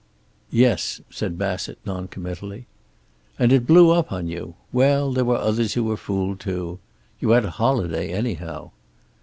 "Yes," said Bassett, noncommittally. "And it blew up on you! Well, there were others who were fooled, too. You had a holiday, anyhow."